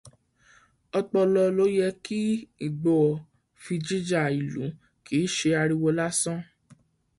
Ọpọlọ ló yẹ kí Ìgbòho fi jìjà ìlú, kìí ṣe ariwo lásán.